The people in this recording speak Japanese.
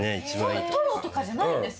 トロとかじゃないんですか？